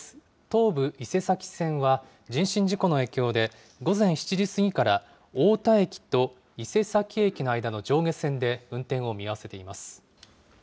東武伊勢崎線は、人身事故の影響で、午前７時過ぎから、太田駅と伊勢崎駅の間の上下線で運転を見合わせています。